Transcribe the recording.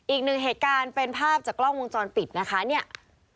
อีกหนึ่งเหตุการณ์เป็นภาพจากกล้องวงจรปิดนะคะเนี่ย